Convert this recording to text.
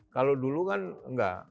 kalau dulu kan enggak